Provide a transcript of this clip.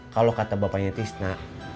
kalau kata bapaknya tisna